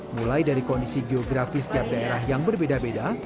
mulai dari kondisi geografis setiap daerah yang berbeda beda